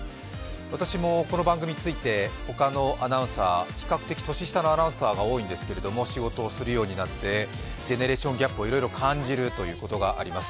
私もこの番組について比較的、年下のアナウンサーが多いんですけど、仕事をするようになってジェネレーションギャップをいろいろ感じるということがあります。